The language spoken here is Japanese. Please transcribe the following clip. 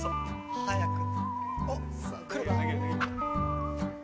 早く！